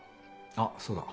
あっそうだ。